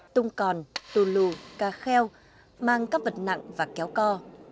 tung còn tu lù ca kheo mang các vật nặng và kéo co